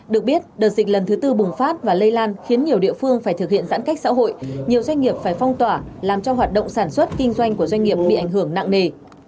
được biết đợt dịch lần thứ tư bùng phát và lây lan khiến nhiều địa phương phải thực hiện giãn cách xã hội